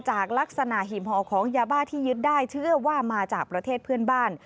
จากลักษณะหิมห่อของยาบ้าที่ยึดได้เชื่อว่ามาจากประเทศเพื่อนบ้าน